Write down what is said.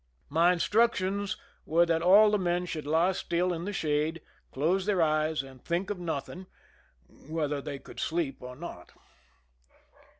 My instructions were that all the men should lie still in the shade, close their eyes, and think of nothing, whether they could sleep or not.